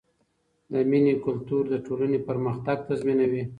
د مینې کلتور د ټولنې پرمختګ تضمینوي.